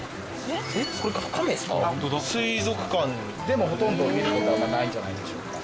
でもほとんど見る事はないんじゃないでしょうか。